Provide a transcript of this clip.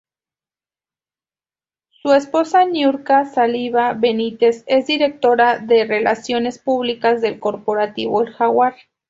Su esposa, Niurka Sáliva-Benítez, es directora de relaciones públicas del Corporativo el Jaguar.